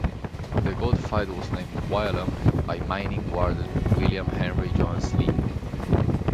The goldfield was named Wyalong by mining warden William Henry John Slee.